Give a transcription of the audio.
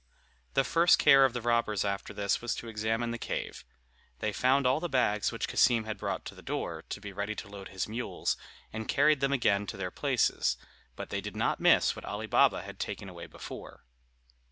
The first care of the robbers after this was to examine the cave. They found all the bags which Cassim had brought to the door, to be ready to load his mules, and carried them again to their places, but they did not miss what Ali Baba had taken away before.